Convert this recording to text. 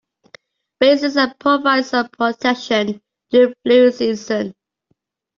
Vaccines can provide some protection during flu season.